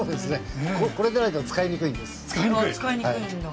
これじゃないと使いにくいんです。